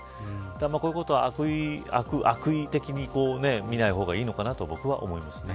だから、こういうことは悪意的に見ない方がいいのかなと僕は思います。